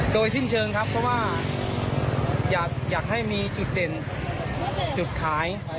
โดยสิ้นเชิงครับเพราะว่าอยากให้มีจุดเด่นจุดขาย